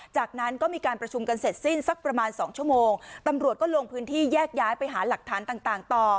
จากนั้นก็มีการประชุมกันเสร็จสิ้นสักประมาณสองชั่วโมงตำรวจก็ลงพื้นที่แยกย้ายไปหาหลักฐานต่างต่างต่อ